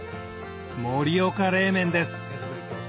盛岡冷麺です